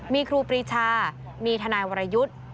มีครูปรีชามีทนายวรยุทธ์